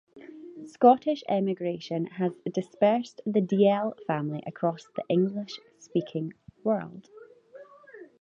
Scottish emigration has dispersed the Dalziel family across the English-speaking world.